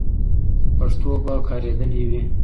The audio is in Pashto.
پښتو به کارېدلې وي.